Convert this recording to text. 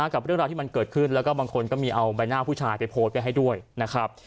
กับเรื่องราวที่มันเกิดขึ้นแล้วก็บางคนก็มีเอาใบหน้าผู้ชายไปโพสต์ไว้ให้ด้วยนะครับ